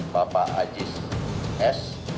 bapak ajis s